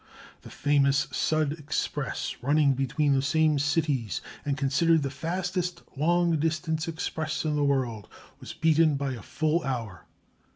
The famous Sud express, running between the same cities, and considered the fastest long distance express in the world, was beaten by a full hour.